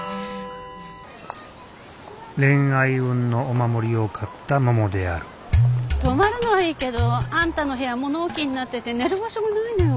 恋愛運のお守りを買ったももである泊まるのはいいけどあんたの部屋物置になってて寝る場所がないのよ。